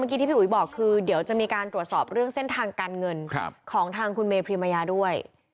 กีที่พี่อุ๋ยบอกคือเดี๋ยวจะมีการตรวจสอบเรื่องเส้นทางการเงินของทางคุณเมพรีมายาด้วย